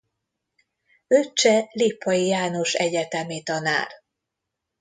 Öccse Lippay János egyetemi tanár.